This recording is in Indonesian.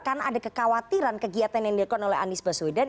karena ada kekhawatiran kegiatan yang dilakukan oleh andis baswedan